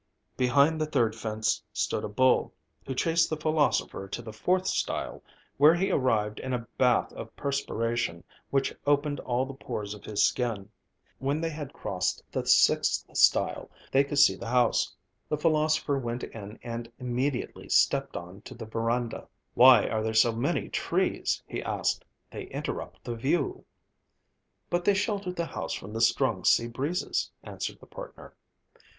Behind the third fence stood a bull, who chased the philosopher to the fourth stile, where he arrived in a bath of perspiration, which opened all the pores of his skin. When they had crossed the sixth stile, they could see the house. The philosopher went in and immediately stepped on to the verandah. "Why are there so many trees?" he asked. "They interrupt the view." "But they shelter the house from the strong sea breezes," answered the partner.